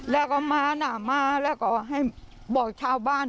แล้วก็มานะมาแล้วก็ให้บอกชาวบ้าน